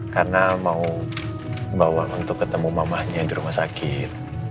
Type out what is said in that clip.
karena mau bawa untuk ketemu mamahnya di rumah sakit